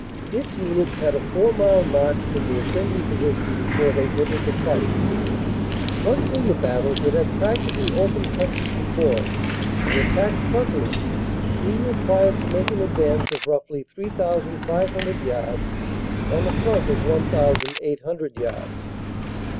Its units had a four mile march from the assembly position before they entered the fight. Once in the battle, it had practically open country before it, and attacked frontally, being required to make an advance of roughly 3,500 yards on a front of 1,800 yards.